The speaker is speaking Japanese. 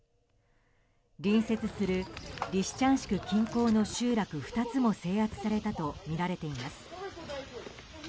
隣接するリシチャンシク近郊の集落２つも制圧されたとみられています。